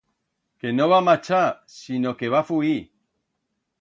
Que no va marchar, sino que va fuir.